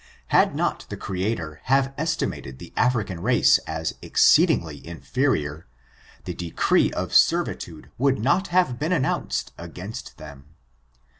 Had not the Creator have estimated the African race as exceedingly inferior, the decree of servitude would not have been announced against them.